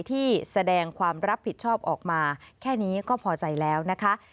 ที่แสดงความรับผิดชอบออกมาแค่นี้ก็พอใจแล้วนะคะ